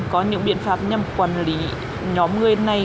có những biện pháp nhằm quản lý nhóm người này